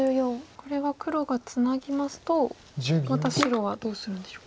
これは黒がツナぎますとまた白はどうするんでしょう？